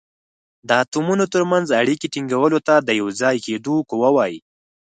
د اتومونو تر منځ اړیکې ټینګولو ته د یو ځای کیدو قوه وايي.